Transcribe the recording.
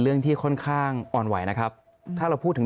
สิ่งที่ประชาชนอยากจะฟัง